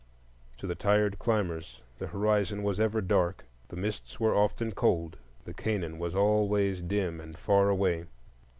To the tired climbers, the horizon was ever dark, the mists were often cold, the Canaan was always dim and far away.